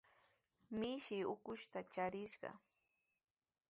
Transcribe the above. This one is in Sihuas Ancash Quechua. Mishi ukushta charishqa.